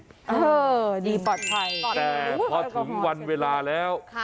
เออดีปลอดภัยแต่พอถึงวันเวลาแล้ว